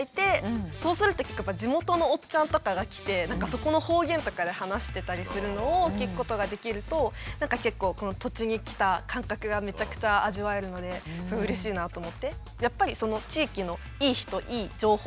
そうすると地元のおっちゃんとかが来て何かそこの方言とかで話してたりするのを聞くことができると何か結構この土地に来た感覚がめちゃくちゃ味わえるのですごいうれしいなと思って。